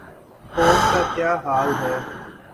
قوم کا کیا حال ہے۔